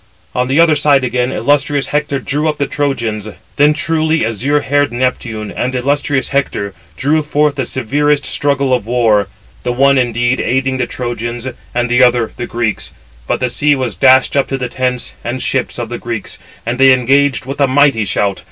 On the other side again illustrious Hector drew up the Trojans. Then truly azure haired Neptune and illustrious Hector drew forth the severest struggle of war, the one indeed aiding the Trojans, and the other the Greeks. But the sea was dashed up to the tents and ships of the Greeks and they engaged with a mighty shout.